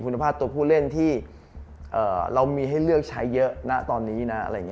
คุณภาพตัวผู้เล่นที่เรามีให้เลือกใช้เยอะตอนนี้นะ